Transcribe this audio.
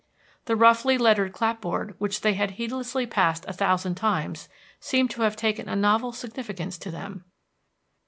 The roughly lettered clapboard, which they had heedlessly passed a thousand times, seemed to have taken a novel significance to them.